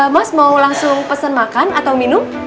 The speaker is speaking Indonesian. mas mau langsung pesen makan atau minum